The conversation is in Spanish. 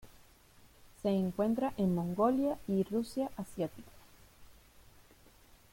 Se encuentra en Mongolia y Rusia asiática.